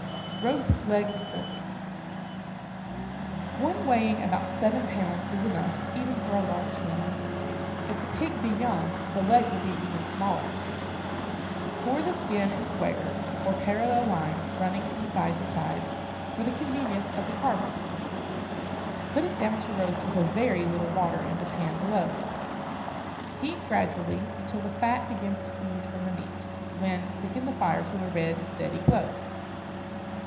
ROAST LEG OF PORK. One weighing about seven pounds is enough, even for a large family. If the pig be young, the leg will be even smaller. Score the skin in squares, or parallel lines running from side to side, for the convenience of the carver. Put it down to roast with a very little water in the pan below. Heat gradually until the fat begins to ooze from the meat, when quicken the fire to a red, steady glow.